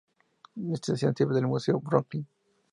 La estación sirve al Museo Brooklyn.